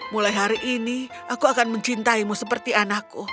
mulai hari ini aku akan mencintaimu seperti anakku